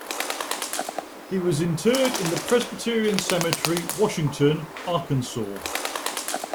He was interred in the Presbyterian Cemetery, Washington, Arkansas.